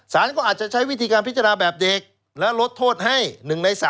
สารก็อาจจะใช้วิธีการพิจารณาแบบเด็กและลดโทษให้๑ใน๓